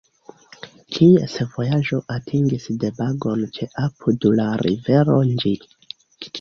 Ties vojaĝo atingis Dabagon ĉe apud la Rivero Nĝi.